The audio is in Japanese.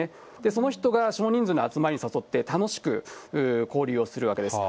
その人が少人数の集まりに誘って、楽しく交流をするわけです。